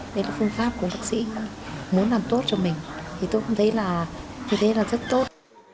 đây là phương pháp của bác sĩ muốn làm tốt cho mình tôi cũng thấy là rất tốt